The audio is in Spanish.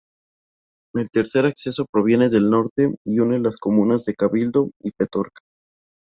El tercer acceso proviene del norte y une las comunas de Cabildo y Petorca.